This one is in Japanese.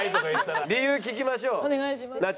理由聞きましょうなっ